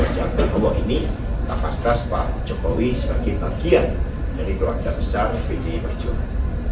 saya ingin mengucapkan terima kasih kepada pak jokowi sebagai bagian dari keluarga besar bd perjuangan